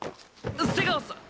瀬川さん。